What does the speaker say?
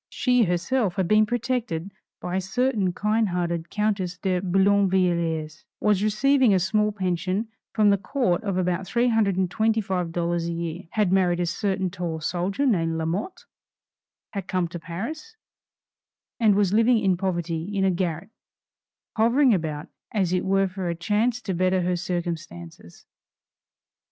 She herself had been protected by a certain kind hearted Countess de Boulainvilliers; was receiving a small pension from the Court of about $325 a year; had married a certain tall soldier named Lamotte; had come to Paris, and was living in poverty in a garret, hovering about as it were for a chance to better her circumstances.